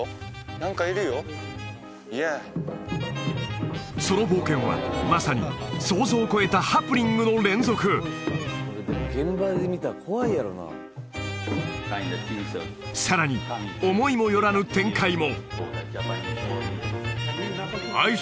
何かいるよその冒険はまさに想像を超えたさらに思いも寄らぬ展開も！